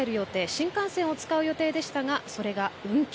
新幹線を使う予定でしたがそれが運休。